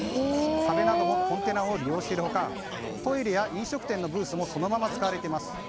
壁などもコンテナを利用している他トイレや飲食店のブースもそのまま使われています。